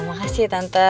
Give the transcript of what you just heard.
makasih ya tante